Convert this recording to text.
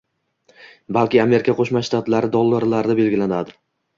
balki Amerika qo'shma shtatlari dollarida belgilanadi?